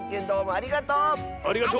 ありがとう！